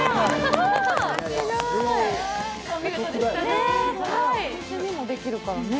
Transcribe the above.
お店にもできるからね。